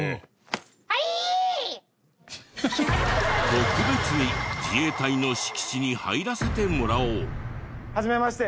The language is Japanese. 特別に自衛隊の敷地に入らせてもらおう。はじめまして。